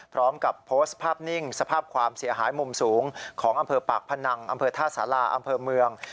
พร้อมกับโพสต์ภาพนิ่งสภาพความเสียหายมุมสูงของอำเภอปากพนังอำเภอท่าสาราอำเภอเมือง